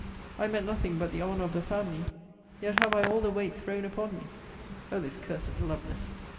I meant nothing but the honour of the family; yet have I all the weight thrown upon me [O this cursed Lovelace!